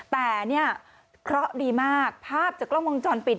แต่เนี่ยเคราะห์ดีมากภาพจากกล้องวงจรปิด